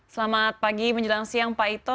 selamat pagi menjelang siang pak ito